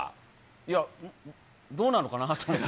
いや、どうなのかなと思って。